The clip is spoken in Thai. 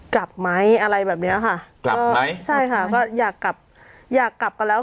กลับไหมอะไรแบบเนี้ยค่ะกลับไหมใช่ค่ะก็อยากกลับอยากกลับกันแล้ว